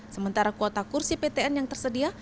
sementara kuota kursi ptn yang tersedia